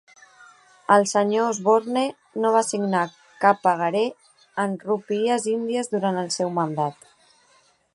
El Sr. Osborne no va signar cap pagaré en rupies índies durant el seu mandat.